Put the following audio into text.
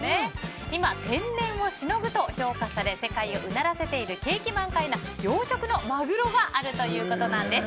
今、天然をしのぐと評価され世界をうならせている景気満開な養殖のマグロがあるということなんです。